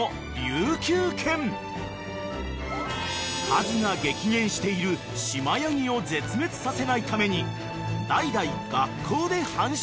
［数が激減している島ヤギを絶滅させないために代々学校で繁殖］